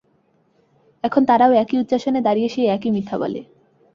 এখন তারাও একই উচ্চাসনে দাঁড়িয়ে সেই একই মিথ্যা বলে।